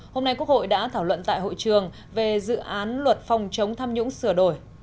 hôm nay quốc hội đã thảo luận tại hội trường về dự án luật phòng chống tham nhũng sửa đổi